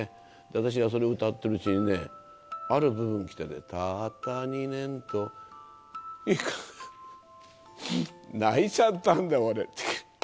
私がそれを歌っているうちにね、ある部分来てね、たった２年と、泣いちゃったんだ、俺。